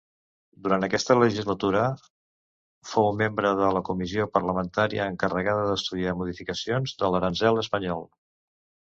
Durant aquesta legislatura fou membre de la comissió parlamentària encarregada d'estudiar modificacions de l'aranzel espanyol.